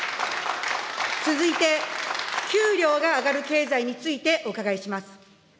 続いて、給料が上がる経済についてお伺いします。